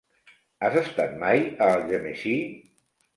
Has estat mai a Algemesí?